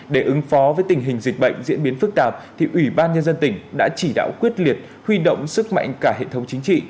để ứng phó với tình hình dịch bệnh diễn biến phức tạp thì ủy ban nhân dân tỉnh đã chỉ đạo quyết liệt huy động sức mạnh cả hệ thống chính trị